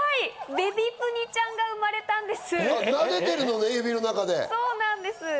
べびぷにちゃんが生まれたんです。